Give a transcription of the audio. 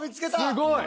すごい！